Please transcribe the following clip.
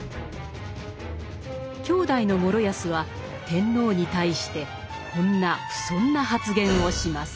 兄弟の師泰は天皇に対してこんな不遜な発言をします。